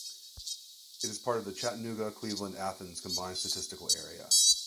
It is part of the Chattanooga-Cleveland-Athens combined statistical area.